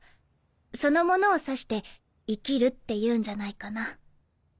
そのものを指して生きるっていうんじゃないかな。